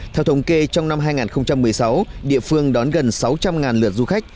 theo thống kê trong năm hai nghìn một mươi sáu địa phương đón gần sáu trăm linh lượt du khách